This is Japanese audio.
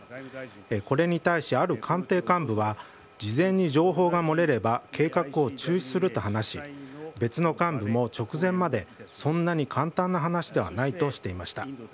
これに対し、ある官邸幹部は事前に情報が洩れれば計画を中止すると話し別の幹部も、直前までそんなに簡単な話ではないとしていました。